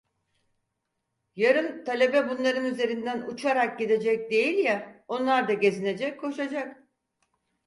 Yarın talebe bunların üzerinden uçarak gidecek değil ya, onlar da gezinecek, koşacak…